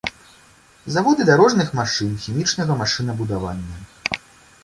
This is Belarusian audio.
Заводы дарожных машын, хімічнага машынабудавання.